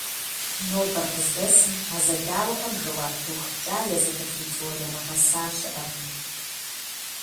Нобэр къыздэсым а зэдауэхэм жэуап пыухыкӀа езытыфын теорие нэгъэса щыӀэкъым.